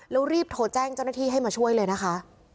แล้วรีบโทรแจ้งเจ้าหน้าที่ให้มาช่วยเลยนะคะ